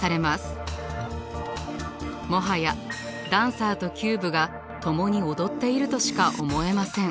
もはやダンサーとキューブが共に踊っているとしか思えません。